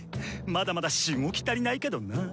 まだまだしごき足りないけどナ！